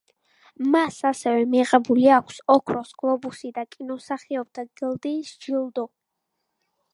მას ასევე მიღებული აქვს ოქროს გლობუსი და კინომსახიობთა გილდიის ჯილდო.